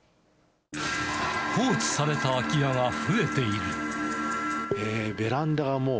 放置された空き家が増えていベランダがもう、